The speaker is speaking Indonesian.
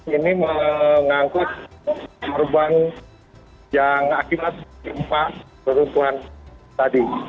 ini mengangkut korban yang akibat jumpa beruntungan tadi